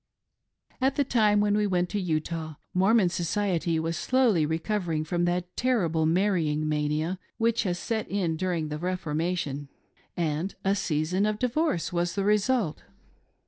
At the time when, we went to Utah, Mormon society was slowly recovering from that terrible marrying mania which had set in during the " Reformation," and a season of divorce was the result.